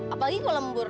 apalagi kalau lembur